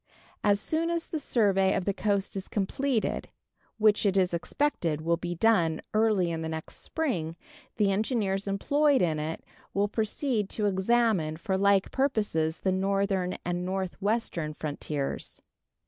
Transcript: As soon as the survey of the coast is completed, which it is expected will be done early in the next spring, the engineers employed in it will proceed to examine for like purposes the northern and northwestern frontiers.